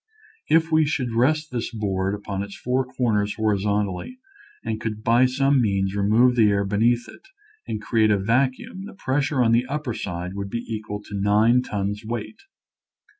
If we should rest this board upon its four corners horizontally and could by some means remove the air beneath it and create a vacuum the pressure on the upper side would be equal to nine tons weight.